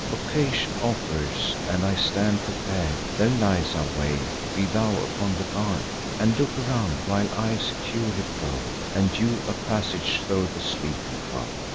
Occasion offers, and I stand prepar'd; There lies our way; be thou upon the guard, And look around, while I securely go, And hew a passage thro' the sleeping foe."